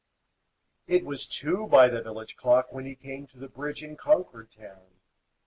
It was two by the village clock, When he came to the bridge in Concord town.